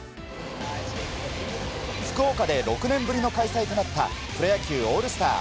福岡で６年ぶりの開催となったプロ野球オールスター。